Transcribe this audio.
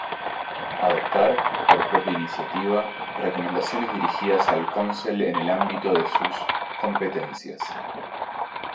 Adoptar, por propia iniciativa, recomendaciones dirigidas al Consell en el ámbito de sus competencias.